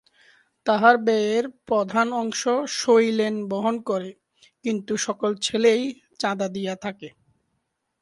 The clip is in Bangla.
তাহার ব্যয়ের প্রধান অংশ শৈলেন বহন করে কিন্তু সকল ছেলেই চাঁদা দিয়া থাকে।